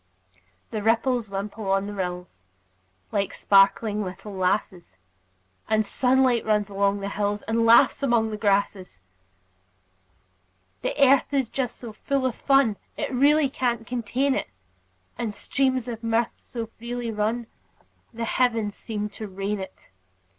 The ripples wimple on the rills, Like sparkling little lasses; The sunlight runs along the hills, And laughs among the grasses. The earth is just so full of fun It really can't contain it; And streams of mirth so freely run The heavens seem to rain it.